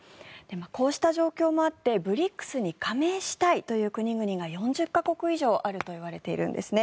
こうした状況もあってＢＲＩＣＳに加盟したいという国々が４０か国以上あるといわれているんですね。